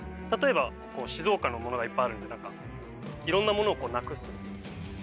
例えば静岡のモノがいっぱいあるんでいろんなものをなくす。